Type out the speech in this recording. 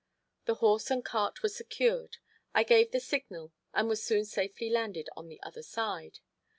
The horse and cart were secured; I gave the signal and was soon safely landed on the other side.